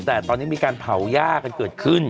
แต่ตอนนี้มีการเผาหญ้ากันเกิดขึ้น